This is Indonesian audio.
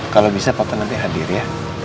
kalau bisa bapak nanti hadir ya